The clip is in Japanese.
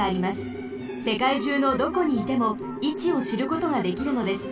せかいじゅうのどこにいてもいちをしることができるのです。